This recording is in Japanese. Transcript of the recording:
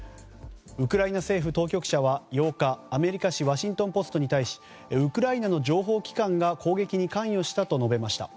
ウクライナ政府当局者は８日、アメリカ紙ワシントン・ポストに対しウクライナの情報機関が攻撃に関与したと述べました。